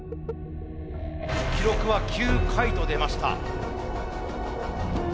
記録は９回と出ました。